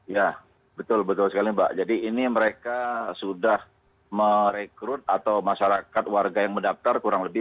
ya betul betul sekali mbak jadi ini mereka sudah merekrut atau masyarakat warga yang mendaftar kurang lebih